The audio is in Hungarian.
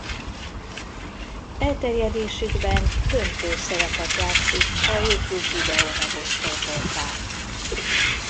Elterjedésükben döntő szerepet játszik a YouTube videómegosztó portál.